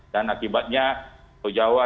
dan akibatnya jawa